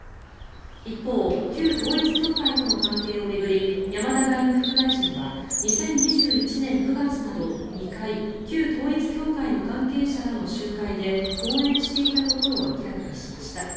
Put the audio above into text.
一方、旧統一教会との関係を巡り山田外務副大臣は２０２１年９月など２回旧統一教会の関係者らの集会で講演していたことを明らかにしました。